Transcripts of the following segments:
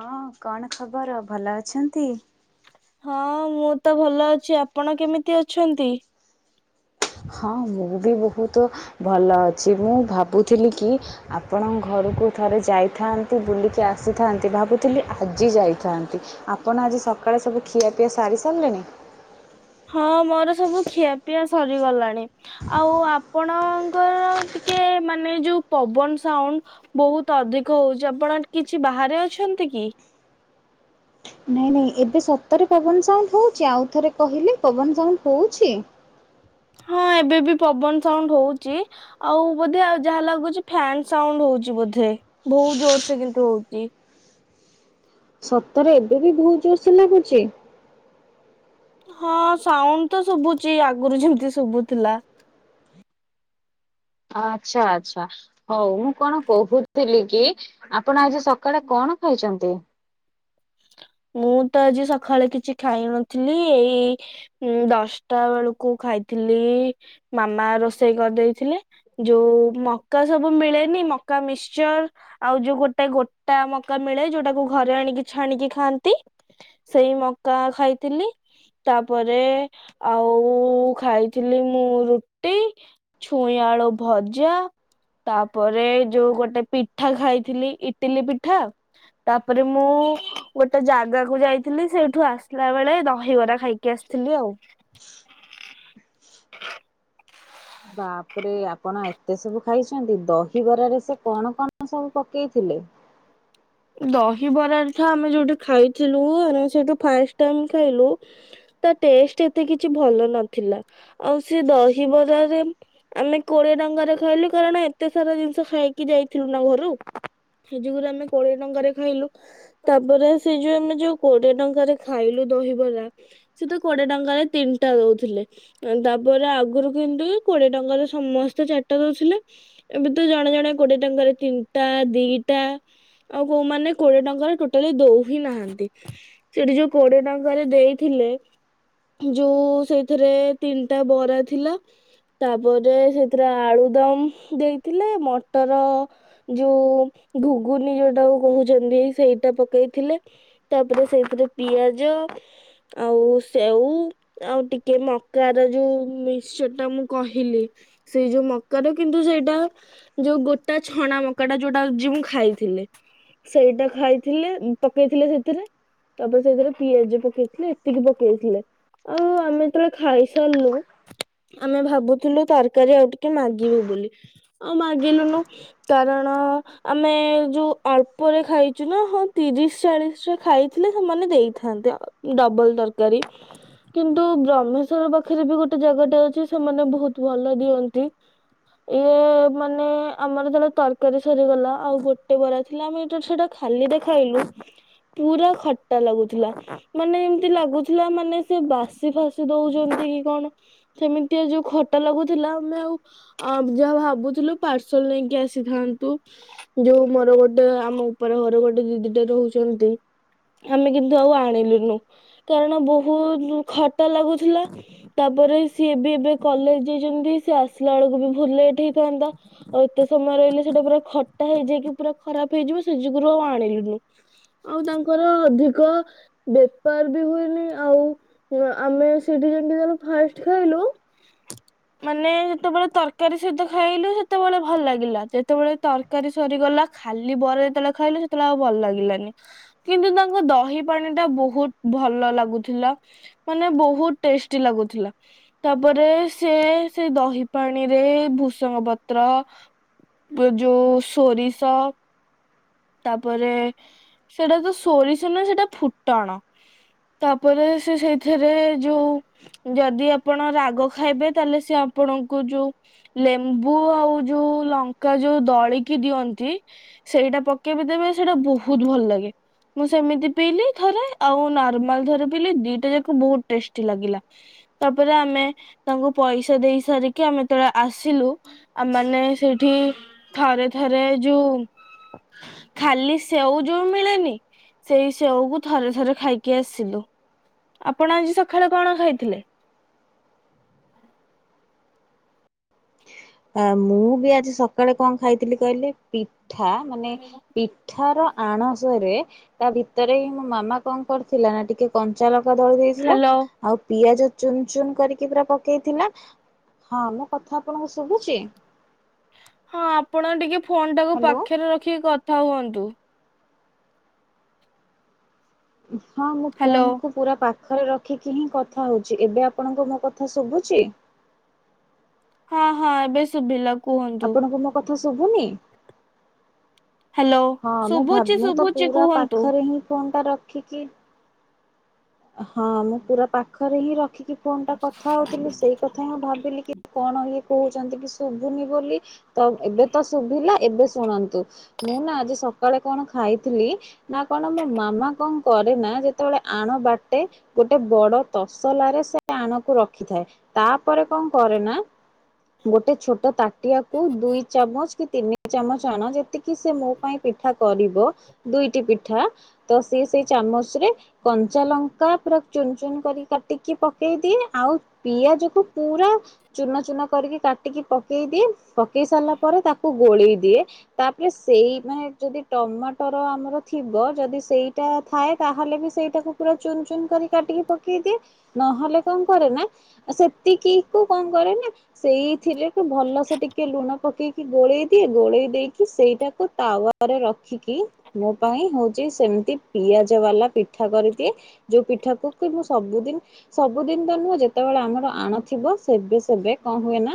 ହଁ କଣ ଖବର ଭଲ ଅଛି। ହଁ ମୁଁ ମୁଁ ତ ଭଲ ଅଛି ଆପଣ କେମିତି ଅଛନ୍ତି। ହଁ ମୁଁ ବି ବହୁତ ଭଲ ଅଛି ମୁଁ ଭାବୁଥିଲି କି ଆପଣ ଙ୍କ ଘରକୁ ଥରେ ଯାଇଥାନ୍ତି ବୁଲିକି ଆସିଥାନ୍ତି ଭାବୁଥିଲି ଆଜି ଯାଇଥାନ୍ତି ଆପଣ ଆଜି ସକାଳୁ ସବୁ ଖିଆପିଆ ସାରିଲେଣି। ହଁ ମୋର ସବୁ ଖିଆପିଆ ସରିଗଲାଣି ଆଉ ଆପଣଙ୍କର ଟିକେ ମାନେ ଯୋଉ ପବନ ସାଉଣ୍ଡ ବହୁତ ଅଧିକ ହଉଛି ଆପଣ କିଛି ବାହାରେ ଅଛନ୍ତି କି? ନାଇଁ ନାଇଁ ଏବେ ସତରେ ପବନ ସାଉଣ୍ଡ ହଉଛି ଆଉଥରେ କହିଲେ ପବନ ସାଉଣ୍ଡ ହଉଛି। ହଁ ଏବେ ବି ପବନ ସାଉଣ୍ଡ ହଉଚି ଆଉ ବୋଧେ ଯାହା ଲାଗୁଚି ଫ୍ୟାନ୍ ସାଉଣ୍ଡ ହଉଛି ବୋଧେ। ବହୁତ ଜୋର ସେ କିନ୍ତୁ ହଉଛି। [unintelligible] ସତରେ ଏବେ ବି ବହୁତ ଜୋର ସେ ଲାଗୁଚି। ହଁ ସାଉଣ୍ଡ ତ ଶୁଭୁଛିି ଆଗରୁ ଯେମିତି ଶୁଭୁଥିଲା। ଆଚ୍ଛା ଆଚ୍ଛା ହଉ ମୁଁ କଣ କହୁଥିଲି କି ଆପଣ ଆଜି ସକାଳେ କଣ ଖାଇଛନ୍ତି। ମୁଁ ତ ଆଜି ସକାଳେ କିଛି ଖାଇନଥିଲି ଏଇ ଦଶଟା ବେଳକୁ ଖାଇଥିଲି ମାମା ରୋଷେଇ କରିଦେଇଥିଲେ ଯୋଉ ମକା ସବୁ ମିଳେନି ମକା ମିକ୍ସଚର ଆଉ ଯୋଉ ଗୋଟେ ଗୋଟା ମକା ମିଳେ ଯୋଉଟାକୁ ଘରେ ଆଣିକି ଛାଆଣିକି ଖାଆନ୍ତି। ସେଇ ମକା ଖାଇଥିଲି ତାପରେ ଆଉ ଖାଇଥିଲି। ମୁଁ ରୁଟି ଛୁଇଁ ଆଳୁ ଭଜା ତାପରେ ଯୋଉ ଗୋଟେ ପିଠା ଖାଇଥିଲି ଇଟିଲି ପିଠା ତାପରେ ମୁଁ ଗୋଟେ ଜାଗାକୁ ଯାଇଥିଲି ସେଇଠୁ ଆସିଲା ବେଳେ ଦହିବରା ଖାଇକି ଆସିଥିଲି ଆଉ ବାପରେ ଆପଣ ଏତେ ସବୁ ଖାଇଛନ୍ତି ଦହିବରାରେ ସେ କଣ କଣ ସବୁ ପକେଇଥିଲେ। ଦହିବରା ରେ ଝଆମେ ଯୋଉଠି ଖାଇଥିଲୁ। ଆମେ ସେଠୁ ଫାଷ୍ଟ ଟାଇମ୍ ଖାଇଲୁ, ତା ଟେଷ୍ଟ ଏତେ କିଛି ଭଲ ନଥିଲା। ଆଉ ସେ ଦହିବରାରେ ଆମେ କୋଡିଏ ଟଡଙ୍ଗାରେ ଖାଇଲୁ କାରଣ ଏତେ ସାରା ଜିନିଷ ଖାଇକି ଯାଇଥିଲୁ ନା ଘରୁ ସେ ଯରେ ଆମେ କୋଡ଼ିଏ ଟଙ୍କାରେ ଖାଇଲୁ ତାପରେ ସେ ଯୋଉ ଆମେ ଯୋଉ କୋଡ଼ିଏ ଟଙ୍କାରେ ଖାଇଲୁ ଦହିବରା ସେ ତ କୋଡ଼ିଏ ଟଙ୍କାରେ ତିନିଟା ଦଉଥିଲେ। ତାପରେ ଆଗରୁ କିନ୍ତୁ କୋଡ଼ିଏ ଟଙ୍କାରେ ସମସ୍ତେ ଚାରିଟା ଦଉଥିଲେ, ଏବେ ତ ଜଣେ ଜଣେ କୋଡ଼ିଏ ଟଙ୍କାରେ ତିନିଟା ଦିଟା ଆଉ କୋଉମାନୋନ କୋଡିଏ ଟଙ୍କାରେ ଟୋଟାଲି ଦଉ ହି ନାହାନ୍ତି। ସେଠି ଯୋଉ କୋଡିଏ ଟଙ୍କାରେ ଦେଇଥିଲେ ଯୋଉ ସେଥିରେ ତିନିଟା ବରା ଥିଲା ତାପରେ ସେଥିରେ ଆଳୁଦମ୍ ଦେଇଥିଲେ, ମଟର ଯୋଉ ଘୁଗୁନି ଯୋଉଟା ଯୋଉ କହୁଛନ୍ତି ସେଇଟା ପକେଇଥିଲେ, ତାପରେ ସେଇଥିରେ ପିଆଜ ଆଉ ସେଉ ଆଉ ଟିକେ ମକାର ଯୋଉ ମିକ୍ସଚର ଟା ମୁଁ କହିଲି ସେଇ ଯୋଉ ମକାର କିନ୍ତୁ ସେଇଟା ଯୋଉ ଗୋଟା ଛଣା ମକା ଟା ଯୋଉଟା ମୁଁ ଖାଇଥିଲି। ସେଇଟା ଖାଇଥିଲେ ପକେଇଥିଲେ ସେଥିରେ ତାପରେ ସେଥିରେ ପିଆଜ ପକେଇଥିଲେ ଏତିକି ପକେଇଥିଲେ ଆଉ ଆମେ ଯେତେବେଳେ ଖାଇସାରିଲୁ ଆମେ ଭାବୁଥିଲୁ ତରକାରୀ ଆଉ ଟିକେ ମାଗିବୁ ବୋଲି ଆଉ ମାଗିଲୁନୁ କାରଣ ଆମେ ଯୋଉ। ଅଳ୍ପରେ ଖାଇଛୁ ନା ହଁ ତିରିଶ ଚାଳିଶ ଟା ଖାଇଥିଲେ ସେମାନେ ଦେଇଥାନ୍ତି। ଡବଲ ତରକାରୀ କିନ୍ତୁ ବ୍ରହ୍ମେଶ୍ଵର ପାଖରେ ବି ଗୋଟେ ଜାଗାଟା ଅଛି। ସେମାନେ ବହୁତ ଭଲ ଦିଅନ୍ତି ଇଏ ମାନେ ଆମର ଜଣେ ତରକାରୀ ସରିଗଲା ଆଉ ଗୋଟେ ବରା। ଥିଲା ଆମେ ଏଟା ସେଟା ଖାଲି ଦେଖାଇଲୁ ପୁରା ଖଟା ଲାଗୁଥିଲା ମାନେ ଏମିତି ଲାଗୁଥିଲା ମାନେ ସେ ବାସି ଫାସି ଦଉଛନ୍ତି। କି କଣ ସେମିତି ଯୋଉ ଖଟା ଲାଗୁଥିଲା ଆମେ ଆଉ ଯାହା ଭାବୁଥିଲୁ ପାର୍ସଲ ନେଇକି ଆସିଥାନ୍ତୁ ଯୋଉ ମୋର ଗୋଟେ। ଗ ଆମ ଉପରେ ଘର ଗୋଟେ ଦିଦିଟେ ରହୁଛନ୍ତି। ଆମେ କିନ୍ତୁ ଆଉ ଆଣିଲୁନୁ କାରଣ ବହୁତ ଖଟା ଲାଗୁଥିଲା। ତାପରେ ସିଏ ବି ଏବେ କଲେଜ ଯାଇଛନ୍ତି ସିଏ ଆସିଲା ବେଳକୁ ବି ବହୁତ୍ ଲେଟ ହେଇଥାନ୍ତା। ଆଉ ଏତେ ସମୟ ରହିଲେ ସେଟା ପୁରା ଖଟା ହେଇଯାଇକି ପୁରା ଖରାପ ହେଇଯିବ ସେ ଯୁଗରୁ ଆଉ ଆଣିଲୁନୁ। ଆଉ ତାଙ୍କର ଅଧିକ ବେପାର ବି ହୁଏନି ଆଉ ଆମେ ସେଠି ଯେମିତି ତାଙ୍କ ଫାଷ୍ଟ ଖାଇଲୁ, ମାନେ ଯେତେବେଳେ ତରକାରୀ ସହିତ ଖାଇଲୁ, ସେତେବେଳେ ଭଲ ଲାଗିଲା ଯେତେବେଳେ ତରକାରୀ ସରିଗଲା ଖାଲି ବରା ଯେତେବେଳେ ଖାଇଲେ ସେତେବେଳେ ଆଉ ଭଲ ଲାଗିଲାନି, କିନ୍ତୁ ତାଙ୍କ ଦହି ପାଣି ଟା ବହୁତ ଭଲ ଲାଗୁଥିଲା, ମାନେ ବହୁତ ଟେଷ୍ଟ ଲାଗୁଥିଲା ତାପରେ ସେ ସେ ଦହି ପାଣିରେ ଭୂସଙ୍ଗ ପତ୍ର ଯୋଉ ସୋରିଷ ତାପରେ ସେଟା ତ ସୋରିଷ ନା ସେଟା ଫୁଟଣ ତାପରେ ସେ ସେଇଥିରେ ଯୋଉ ଯଦି ଆପଣ ରାଗ ଖାଇବେ ତାହେଲେ ସେ ଆପଣଙ୍କୁ ଯୋଉ ଲେମ୍ବୁ ଆଉ ଯୋଉ ଲଙ୍କା ଯୋଉ ଦଳିକି ଦିଅନ୍ତି। ସେଇଟା ପକେଇବି ଦେବେ ସେଇଟା ବହୁତ ଭଲ ଲାଗେ। ମୁଁ ସେମିତି ପିଇଲି ଥରେ ଆଉ ନର୍ମାଲ ଥରେ ପିଇଲି ଦିଟା ଯାକ ବହୁତ ଟେଷ୍ଟି ଲାଗିଲା। ତାପରେ ଆମେ ତାଙ୍କୁ ପଇସା ଦେଇ ସାରିକି ଆମେ ଯେତେବେଳେ ଆସିଲୁ ଆମେ ମାନେ ସେଇଠି ଥରେ ଥରେ ଯୋଉ ଖାଲି ସେଓ ଯୋଉ ମିଳେନି ସେଇ ସେଓକୁ ଥରେ ଥରେ ଖାଇକି ଆସିଲୁ ଆପଣ ଆଜି ସକାଳେ କଣ ଖାଇଥିଲେ? ଆ ମୁଁ ବି ଆଜି ସକାଳେ କଣ ଖାଇଥିଲି କହିଲେ ପିଠା ମାନେ ପିଠାର ଆଣସରେ ତା ଭିତରେ ହିଁ ମୋ ମାମା କଣ କରିଥିଲା ନା ଟିକେ କଞ୍ଚା ଲଙ୍କା ଦଳି ଦେଇଥିଲା ହ୍ୟାଲୋ ଆଉ ପିଆଜ ଚୁନ୍ ଚୁନ୍ କରିକି ପୁରା ପକେଇଥିଲା। ହଁ ମୁଁ କଥା ଆପଣଙ୍କୁ ଶୁଭୁଛି। ହଁ ଆପଣ ଟିକେ ଫୋନ୍ ଟାକୁ ହ୍ୟାଲୋ। ପାଖରେ ରଖିକି। ହଉ ହୁଅନ୍ତୁ। ହଁ ମୁଁ ହ୍ୟାଲୋ ଫୋନ କୁ ପୁରା ପା। ପାଖରେ ରଖିକି ହିଁ କଥା ହଉଛି ଏବେ ଆପଣଙ୍କୁ ମୋ କଥା ଶୁଭୁଛି? ହଁ ହଁ ଏବେ ଶୁଭିଲ। ଆପଣଙ୍କୁ ମୋ କ ତ ଶୁଭୁନି। ହ୍ୟାଲୋ ହଁ ମୁଁ ଭାବ ଶୁଭୁଛି ମୁଁ ତ ଶୁଭୁଛି ପୁରା କୁହନ୍ତୁ ପାଖରେ ହିଁ ଫୋନ୍। ରଖିକି। ହଁ ମୁଁ ପୁରା ପାଖରେ ହିଁ ର ରଖିକି ଫୋନ୍ ଟା କଥା ହେଉଥିଲି ସେଇ କଥା ହିଁ ମୁଁ ଭାବିଲି କି କଣ ଇଏ। କହୁଛନ୍ତି କି ଶୁଭୁନି ବୋଲି ତ ଏବେ ତ ଶୁଭିଲା ଏବେ ଶୁଣନ୍ତୁ ମୁଁ ନା ଆଜି ସକାଳେ କଣ ଖାଇଥିଲି ନା କଣ ମୋ ମାମା କଣ କରେ ନା ଯେତେବେଳେ ଆଣ ବା। ଗୋଟେ ବଡ ତସଲାରେ ସେ ଆଣକୁ ରଖିଥାଏ ତାପରେ କଣ କରେ ନା ଗୋଟେ ଛୋଟ ତା। ଟିଆକୁ ଦୁଇ ଚାମଚ କି ତିନି ଚାମଚ ଆଣ ଯେତିକି ସେ ମୋ ପାଇଁ ପିଠା କରିବ ଦୁଇଟି ପିଠା ତ ସିଏ ସେଇ ଚାମଚରେ କଞ୍ଚା ଲଙ୍କା। ପୁରା ଚୁନ୍ ଚୁନ୍ କରିକି କାଟିକି ପକେଇ ଦିଏ ଆଉ ପିଆଜକୁ ପୁରା ଚୁନ ଚୁନ କରିକି କାଟିକି ପକେଇ ଦିଏ ପକେଇ ସାରିଲା ପରେ ତାକୁ ଗୋଳେଇ ଦିଏ ତାପରେ ସେଇ ମାନେ ଯଦି ଟମାଟର ଆମର ଥିବ ଯଦି ସେଇଟା ଥାଏ ତାହେଲେ ବି ସେଇଟାକୁ ପୁରା। ଚୁନ୍ ଚୁନ୍ କରି କାଟିକି ପକେଇ ଦିଏ ନହେଲେ କଣ କରେ ନା ସେତିକି କୁ କଣ କରେ ନା ସେଇଥିରେ ଭଲ ସେ ଟିକେ ଲୁଣ ପକେଇକି ଗୋଳେଇ ଦିଏ ଗୋଳେଇ ଦେଇକି ସେଇଟାକୁ ତାୱାରେ ରଖିକି ମୋ ପାଇଁ ହଉଛି ସେମିତି ପିଆଜ ବାଲା ପିଠା କରିଦିଏ। ଯୋଉ ପିଠାକୁ କି ମୁଁ ସବୁଦିନ ସବୁଦିନ ତ ନୁହଁ ଯେତେବେଳେ ଆମର ଆଣ ଥିବ ସେବେ ସେବେ କଣ ହୁଏ ନା।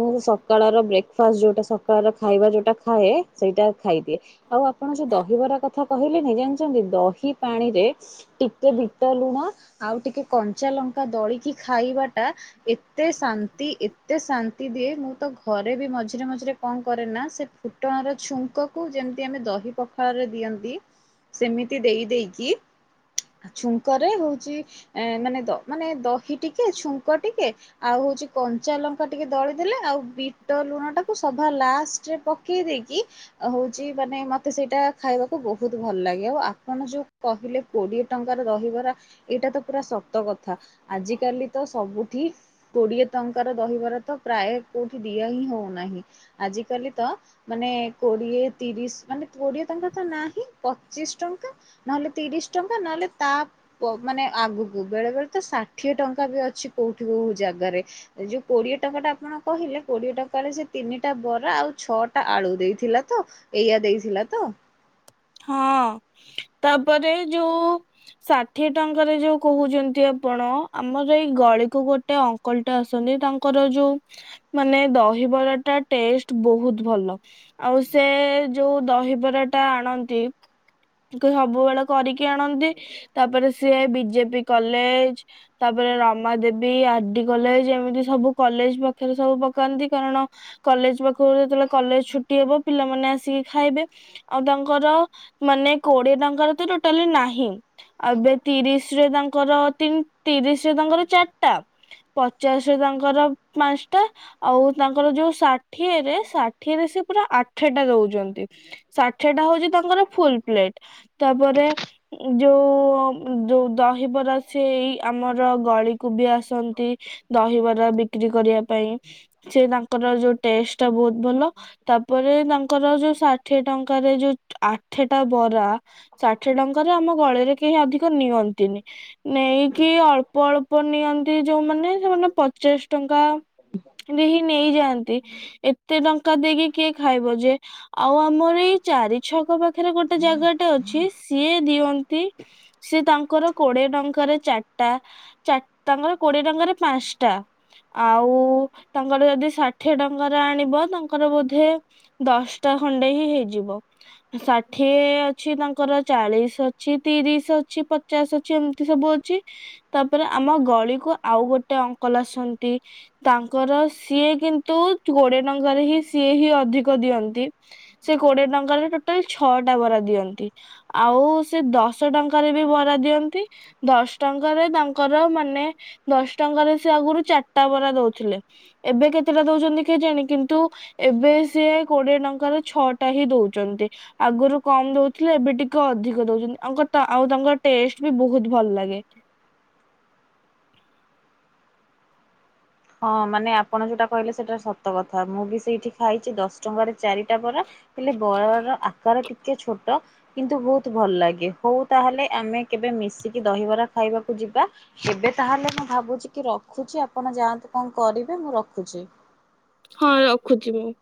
ମୁଁ ସକାଳର ବ୍ରେକ୍। ଫାଷ୍ଟ ଯଉଟା ସକାଳର ଖାଇବା ଯଉଟା ଖାଏ ସେଇଟା ଖାଇଦିଏ ଆଉ ଆପଣ ଯଉ ଦହିବରା କଥା କହିଲେନି ଜାଣିଛନ୍ତି ଦହି ପାଣିରେ। ଟିକେ ବିଟ ଲୁଣ ଆଉ ଟିକେ କଞ୍ଚା ଲଙ୍କା ଦଳିକି ଖାଇବାଟା ଏ। ଶାନ୍ତି ଏତେ ଶା। ତି ଦିଏ ମୁଁ ତ ଘରେ ବି ମଝିରେ ମଝିରେ କଣ କରେ ନା ସେ ଫୁଟଣର ଛୁଙ୍କ କୁ ଯେମିତି ଆମେ ଦହି ପଖାଳରେ ଦିଅନ୍ତି ସେମିତି ଦେଇ ଦେଇକି। [unintelligible] କରେ ହଉଛି ମାନେ ମାନେ ଦହି ଟିକେ ଛୁଙ୍କ ଟିକେ ଆଉ ହଉଛି କଞ୍ଚା ଲଙ୍କା ଲଙ୍କା ଟିକେ ଦଳିଦେଲେ ଆଉ ବିଟ ଲୁଣ ଟାକୁ ସଭା ଲାଷ୍ଟ୍ ରେ ପକେଇ ଦେଇକି ଆଉ ହଉଛି ମାନେ ମୋତେ ସେଇଟା ଖାଇବାକୁ ବହୁତ ଭଲ ଲାଗେ ଆପଣ ଯୋଉ କହିଲେ କୋଡ଼ିଏ ଟଙ୍କାର ଦହିବରା ଏଇଟା ତ ପୁରା ସତ କଥା ଆଜି କାଲି ତ ସବୁ ପୁ ଏଠି କୋଡିଏ ଟଙ୍କାର ରହିବାର ତ ପ୍ରାୟ କୋଉଠି ଦିଆ ହିଁ ହଉନାହିଁ ଆଜିକାଲି ତ ମାନେ କୋଡିଏ ତିରିଶ ମାନେ କୋଡିଏ ଟଙ୍କା ତ ନାହିଁ ପଚିଶ ଟଙ୍କା ନହେଲେ ତିରିଶ ଟଙ୍କା। ନହେଲେ ତାପ କ୍ଵ ମାନେ ଆଗକୁ ବେଳେ ବେଳେ ତ ଷାଠିଏ ଟଙ୍କା ବି ଅଛି କୋଉଠି କୋଉ ଜାଗାରେ। ଯୋଉ କୋଡିଏ ଟଙ୍କା ଟା ଆପଣ କହିଲେ। କୋଡିଏ ଟଙ୍କାରେ ସେ ତିନିଟା ବରା ଆଉ ଛଅଟା ଆଳୁ ଦେଇଥିଲା ତ ଏଇୟଆ ଦେଇଥିଲା ତ। ହଁ ତାପରେ ଯୋଉ ଷାଠିଏ ଟଙ୍କାରେ ଯୋଉ କହୁଛନ୍ତି ଅପଣ ଆମର ଏଇ ଗଳିକୁ ଗୋଟେ ଅଙ୍କଲ ଟା ଆସନ୍ତି ତାଙ୍କର ଯୋଉ ମାନେ ଦହିବରାଟା ଟେଷ୍ଟ ବହୁତ ଭଲ ଆଉ ସେ ଯୋଉ ଦହିବରାଟା ଆଣନ୍ତି ସବୁବେଳେ କରିକି ଆଣନ୍ତି ତାପରେ ସିଏ ବିଜେପି କଲେଜ ତାପରେ Rama Devi R D college ଏମିତି ସବୁ କଲେଜ ପାଖରେ ସବୁ ପକାନ୍ତି କାରଣ କଲେଜ ପାଖରୁ ଯେତେବେଳେ କଲେଜ ଛୁଟି ହବ ପିଲାମାନେ ଆସିକି ଖାଇବେ ଆଉ ତାଙ୍କର ମାନେ କୋଡ଼ିଏ ଟଙ୍କାରେ ତ ଟୋଟଲି ନାହିଁ ଆଉ ଏବେ ତିରିଶରେ ତାଙ୍କର ତିରିଶ ରେ ତାଙ୍କର ଚାରିଟା ପଚାଶ ରେ ତାଙ୍କର ପାଞ୍ଚଟା ଆଉ ତାଙ୍କର ଯୋଉ ଷାଠିଏରେ ଷାଠିଏରେ ସେ ପୁରା ଆଠଟା ଦଉଛନ୍ତି ଷାଠିଏ ଟା ହଉଛି ତାଙ୍କର ଫୁଲ ପ୍ଲେଟ୍ ତାପରେ ଯୋଉ ଯୋଉ ଦହିବରା ସେଇ ଆମର ଗଳିକୁ ବି ଆସେ। ଦହିବରା ବିକ୍। ବିକ୍ରି କରିବା ପାଇଁ ସେ ତାଙ୍କର ଯୋଉ ଟେଷ୍ଟ ଟା ବହୁତ ଭଲ ତାପରେ ତାଙ୍କ ଙ୍କର ଯୋଉ ଷାଠିଏ ଟଙ୍କା। ଯଉ ଆ। ଠେଟା ବରା। ଷାଠିଏ ଟଙ୍କାରେ ଆମ ଗଳିରେ କେହି ଅଧିକ ନିଅନ୍ତିନି ନେଇକି ଅଳ୍ପ ଅଳ୍ପ ନିଅନ୍ତି ଯୋଉମାନେ ସେମାନେ ପଚାଶ ଟଙ୍କା ଦେଇ ହିଁ ନେଇଯାଆନ୍ତି ଏତେ ଟଙ୍କା ଟଙ୍କା ଦେଇକି କିଏ ଖାଇବ ଯେ ଆଉ ଆମର ଏଇ ଚାରି ଛକ ପାଖ ଏଖରେ ଗୋଟେ ଜାଗା ଟା ଅଛି ସିଏ ଦିଅନ୍ତି ସେ ତାଙ୍କର କୋଡିଏ ଟଙ୍କାରେ ଚାରିଟା ତାଙ୍କର କୋଡିଏ ଟଙ୍କାରେ ପାଞ୍ଚଟା ଆଉ ତାଙ୍କର ଯଦି ଷାଠିଏ ଟଙ୍କାରେ ଆଣିବ ତାଙ୍କର ବୋଧେ ଦଶଟା ଖଣ୍ଡେ ହିଁ ହେଇଯିବ। ଷାଠିଏ ଅଛି ତାଙ୍କର ଚାଳିଶ ଅଛି ତିରିଶ ଅଛି ପଚାଶ ଅଛି ଏମିତି ସବୁ ଅଛି ତାପରେ ଆମ ଗଳିକୁ ଆଉ ଗୋଟେ ଅଙ୍କଲ ଆସନ୍ତି ତାଙ୍କର ସିଏ କିନ୍ତୁ କୋଡିଏ ଟଙ୍କାରେ ହିଁ ସିଏ ହିଁ ଅଧିକ ଦିଅନ୍ତି ସେ କୋଡିଏ ଟଙ୍କାରେ ଟୋଟାଲ ଛଅଟା ବରା ଦିଅନ୍ତି ଆଉ ସେ ଦଶ ଟଙ୍କାରେ ବି ବରା ଦିଅନ୍ତି ଦଶ ଟଙ୍କାରେ ତାଙ୍କର ମାନେ ଦଶ ଟଙ୍କାରେ ସେ ଆଗରୁ ଚାରିଟା ବରା ଦଉଥିଲେ ଏବେ କେତେଟା ଦଉଛନ୍ତି କେଜାଣି କିନ୍ତୁ ଏବେ ସିଏ କୋଡିଏ ଟଙ୍କାରେ ଛଅଟା ହିଁ ଦଉଛନ୍ତି। ଆଗରୁ କମ୍ ଦଉଥିଲେ ଏବେ ଟିକେ ଅଧିକ ଦଉଛନ୍ତି ଆ ଆଉ ତାଙ୍କର ଟେଷ୍ଟ ବି ବହୁତ ଭଲ ଲାଗେ। ହଁ ମାନେ ଆପଣ ଯୋଉଟା କହିଲେ ସେଇଟା ସତ କଥା ମୁଁ ବି ସେଇଠି ଖାଇଛି ଦଶ ଟଙ୍କାରେ ଚାରିଟା ବର ହେଲେ ବଳର ଆକାର ଟିକେ ଟେ ଛୋଟ କିନ୍ତୁ ବହୁତ ଭଲ ଲାଗେ ହଉ ତାହେଲେ ଆମେ କେବେ ମିଶିକି ଦହିବରା ଖାଇବାକୁ ଯିବା କେବେ ତାହେଲେ ମୁଁ ଭାବୁଛି କି ରଖୁଛି ଆପଣ ଯାଆନ୍ତୁ। କଣ କରିବେ ମୁଁ ରଖୁଛି। ହଁ ରଖୁଛି ମୁଁ।